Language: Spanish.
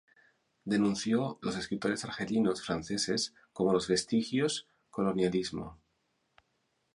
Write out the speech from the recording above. Denunció los escritores argelinos franceses como los vestigios colonialismo.